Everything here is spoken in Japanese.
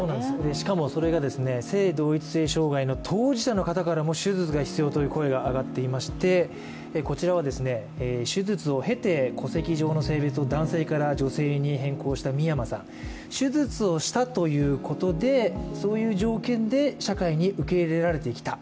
しかもそれが、性同一性障害の当事者の方からも手術が必要という声が上がっていましてこちらは、手術を経て戸籍上の性別を男性から女性に変更した美山さん、手術をしたということでそういう条件で社会に受け入れられてきた。